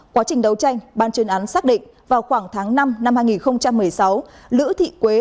quá trình đấu tranh ban chuyên án xác định vào khoảng tháng năm năm hai nghìn một mươi sáu lữ thị quế